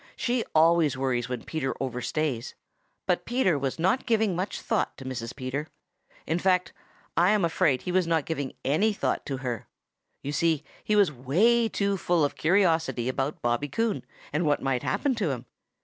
She always worries when Peter overstays. But Peter was not giving much thought to Mrs. Peter. In fact, I am afraid he was not giving any thought to her. You see, he was too full of curiosity about Bobby Coon and what might happen to him.